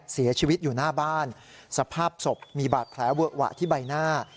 เสียชีวิตอยู่หน้าบ้านสภาพศพมีบาดแผลเวอะหวะที่ใบหน้า